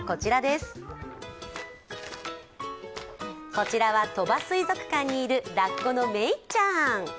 こちらは鳥羽水族館にいるラッコのメイちゃん。